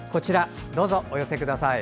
どうぞ、お寄せください。